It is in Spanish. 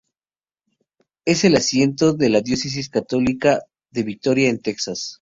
Es el asiento de la Diócesis Católica de Victoria en Texas.